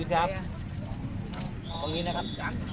ทางนี้นะครับ